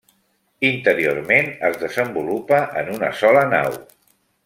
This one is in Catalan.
Interiorment es desenvolupa en una sola nau.